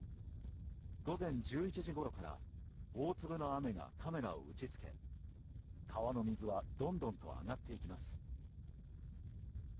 午前１１時ごろから大粒の雨がカメラを打ち付け川の水はどんどんと上がっていきます。